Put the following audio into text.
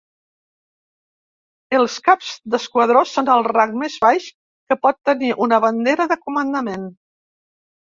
Els Caps d'Esquadró són el rang més baix que pot tenir una bandera de comandament.